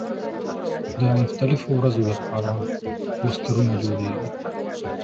د مختلفو ورځو له پاره پوسټرونه جوړوي.